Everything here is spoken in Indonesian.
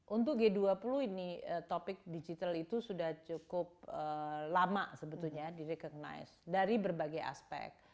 untuk g dua puluh ini topik digital itu sudah cukup lama sebetulnya di recognize dari berbagai aspek